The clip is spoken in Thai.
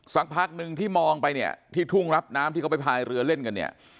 สักพักนึงที่มองไปเนี่ยที่ทุ่งรับน้ำที่เขาไปพายเรือเล่นกันเนี่ย